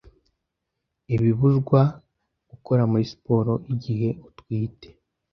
ibibuzwa gukora muri siporo igihe utwite